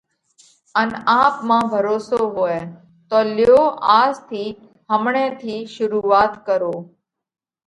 ان آپ مانه ڀروسو هوئہ۔ تو ليو آز ٿِي، همڻئہ ٿِي شرُوعات ڪرو۔